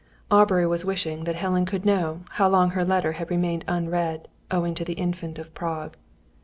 Aubrey was wishing that Helen could know how long her letter had remained unread, owing to the Infant of Prague.